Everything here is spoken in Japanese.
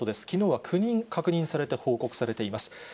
きのうは９人確認されて、報告されています。